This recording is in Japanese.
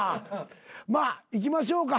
まあいきましょうか。